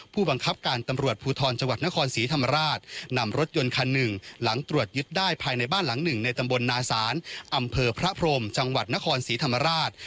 พิษได้ภายในบ้านหลังหนึ่งในตำบลนาศาลอำเภอพระพรมจังหวัดนครศรีธรรมราช